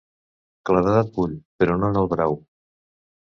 Claredat vull, però no en el brau.